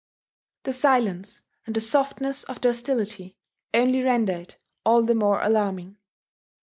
The silence and the softness of the hostility only render it all the more alarming.